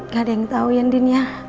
gak ada yang tau ya din ya